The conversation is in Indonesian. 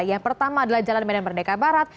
yang pertama adalah jalan medan merdeka barat